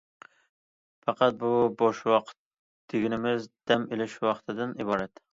پەقەت بۇ بوش ۋاقىت دېگىنىمىز دەم ئېلىش ۋاقتىدىن ئىبارەت.